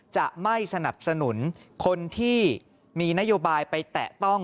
จะไม่สนับสนุนคนที่มีนโยบายไปแตะต้อง